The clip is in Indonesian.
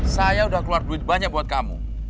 saya udah keluar duit banyak buat kamu